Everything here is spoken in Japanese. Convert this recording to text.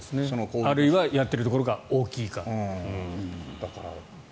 あるいはやっているところが大きいか。